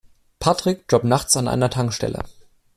Patrick jobbt nachts an einer Tankstelle.